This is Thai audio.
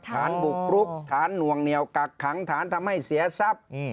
ฐานบุกรุกฐานหน่วงเหนียวกักขังฐานทำให้เสียทรัพย์